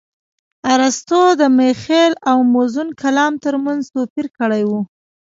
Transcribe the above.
ارستو د مخيل او موزون کلام ترمنځ توپير کړى و.